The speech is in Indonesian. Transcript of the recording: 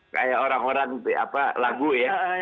kayak orang orang lagu ya